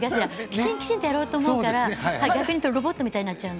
きちん、きちんとやろうとするから逆にロボットみたいになっちゃう。